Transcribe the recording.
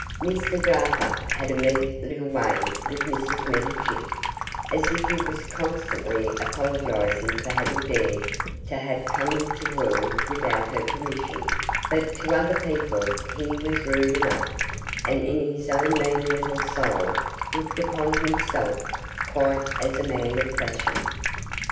Mr Jarper had a meek little way with Mrs Meddlechip, as if he was constantly apologising for having dared to have come into the world without her permission, but to other people he was rude enough, and in his own mean little soul looked upon himself quite as a man of fashion.